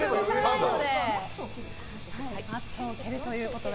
マットを蹴るということで。